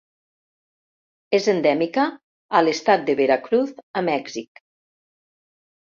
És endèmica a l'Estat de Veracruz a Mèxic.